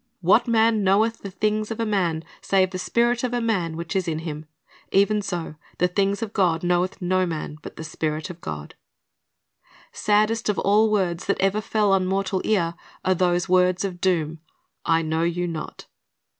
"What man knoweth the things of a man, save the spirit of man which is in him? even so the things of God knoweth no man, but the Spirit of God."^ Saddest of all "Give us of your oU : for our lamps WOrds that CVCr fell are going out," on mortal ear are those words of doom, "I know you not."